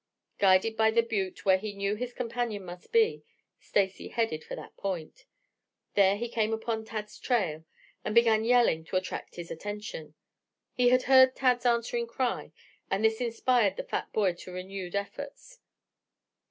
Guided by the butte where he knew his companion must be, Stacy headed for that point. There he came upon Tad's trail, and began yelling to attract his attention. He had heard Tad's answering cry, and this inspired the fat boy to renewed efforts.